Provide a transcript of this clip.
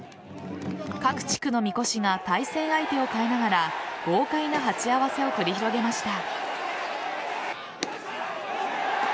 各地区のみこしが対戦相手を変えながら豪快な鉢合わせを繰り広げました。